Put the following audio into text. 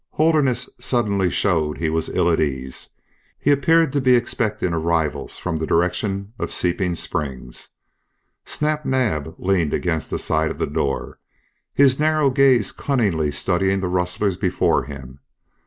Holderness suddenly showed he was ill at ease; he appeared to be expecting arrivals from the direction of Seeping Springs. Snap Naab leaned against the side of the door, his narrow gaze cunningly studying the rustlers before him.